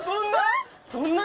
そんな。